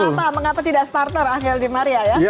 kenapa mengapa tidak starter angel di maria ya